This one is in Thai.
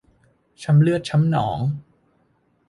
ช้ำเลือดช้ำหนอง